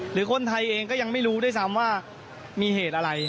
หรือคนไทยเองก็ยังไม่รู้ด้วยซ้ำว่ามีเหตุอะไร